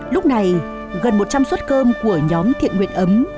lúc này gần một trăm linh suất cơm của nhóm thiện nguyện ấm